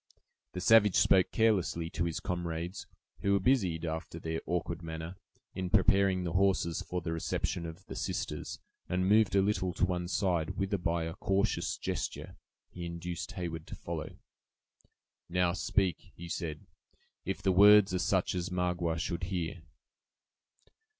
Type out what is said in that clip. The savage spoke carelessly to his comrades, who were busied, after their awkward manner, in preparing the horses for the reception of the sisters, and moved a little to one side, whither by a cautious gesture he induced Heyward to follow. "Now, speak," he said; "if the words are such as Magua should hear."